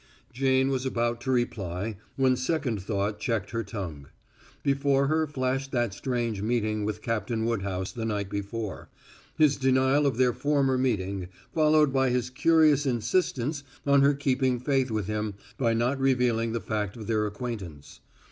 Jane was about to reply when second thought checked her tongue. Before her flashed that strange meeting with Captain Woodhouse the night before his denial of their former meeting, followed by his curious insistence on her keeping faith with him by not revealing the fact of their acquaintance.